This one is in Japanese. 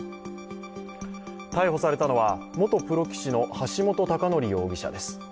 逮捕されたのは元プロ棋士の橋本崇載容疑者です。